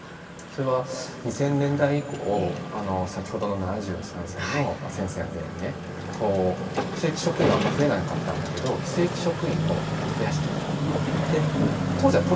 それは２０００年代以降先ほどの７３歳の先生のように正規職員はあんまり増えなかったんだけど非正規職員を増やしていった。